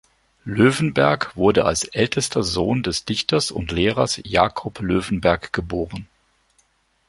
Loewenberg wurde als ältester Sohn des Dichters und Lehrers Jakob Loewenberg geboren.